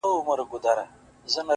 کال ته به مرمه;